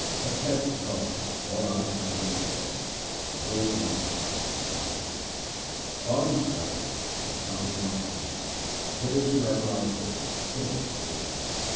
Except God all other capital is false, and goeth not with us when we depart. God is the wealth which shall depart with me ; whitherso ever I go, thither will it go.